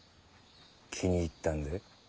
気に入ったんで。